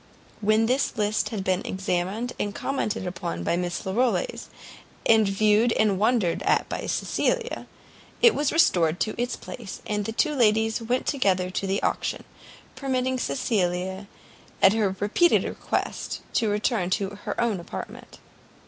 When this list had been examined and commented upon by Miss Larolles, and viewed and wondered at by Cecilia, it was restored to its place, the two ladies went together to the auction, permitting Cecilia, at her repeated request, to return to her own apartment.